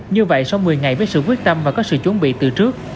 như vậy sau một mươi ngày với sự quyết tâm và có sự chuẩn bị từ trước